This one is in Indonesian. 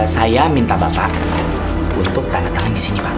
saya minta bapak untuk tanah kalian di sini pak